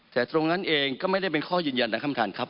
แต่ตรงนั้นเองก็ไม่ได้เป็นข้อยืนยันอ่ะท่านครับ